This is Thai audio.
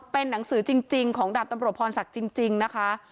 เป็นหนังสือจริงของดาบตำรวจพรศักดิ์จริงนะคะ